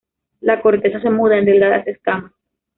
La corteza se muda en delgadas escamas.